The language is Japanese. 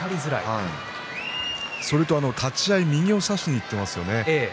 それと立ち合い右を差しにいってますよね。